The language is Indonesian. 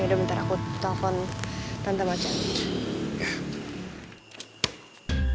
ya udah bentar aku telfon tante mbak cantik